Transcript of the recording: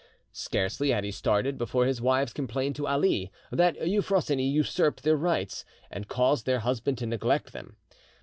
Scarcely had he started before his wives complained to Ali that Euphrosyne usurped their rights and caused their husband to neglect them.